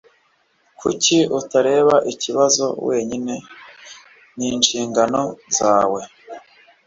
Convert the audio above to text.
Kuki utareba ikibazo wenyine? Ninshingano zawe.